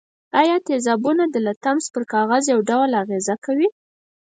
آیا تیزابونه د لتمس پر کاغذ یو ډول اغیزه کوي؟